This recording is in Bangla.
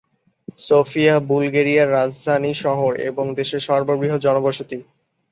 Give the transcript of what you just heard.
সোফিয়া- বুলগেরিয়ার রাজধানী শহর এবং দেশের সর্ববৃহৎ জনবসতি।